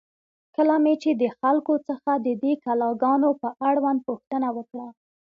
کله مې چې د خلکو څخه د دې کلا گانو په اړوند پوښتنه وکړه،